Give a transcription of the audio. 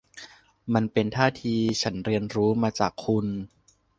มันเป็นท่าที่ฉันเรียนรู้มาจากคุณ